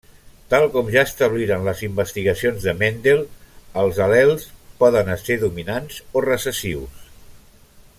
Tal com ja establiren les investigacions de Mendel, els al·lels poden ésser dominants o recessius.